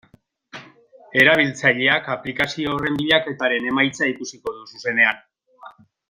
Erabiltzaileak aplikazio horren bilaketaren emaitza ikusiko du zuzenean.